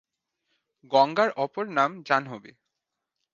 গঙ্গার অপর নাম জাহ্নবী।